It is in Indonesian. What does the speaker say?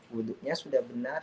wuduknya sudah benar